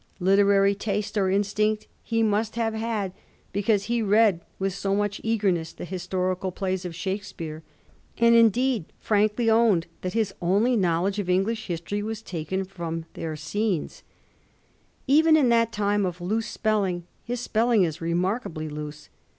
Literary taste or instinct he must have had, because he read with so much eagerness the historical plays of Shakespeare, and indeed frankly owned that his only knowledge of English history was taken from their scenesi Even in that time of loose spelling his spelling is remarkably loose.